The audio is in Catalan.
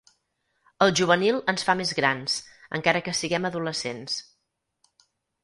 El juvenil ens fa més grans, encara que siguem adolescents.